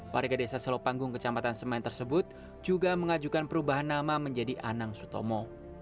warga desa selopanggung kecamatan semen tersebut juga mengajukan perubahan nama menjadi anang sutomo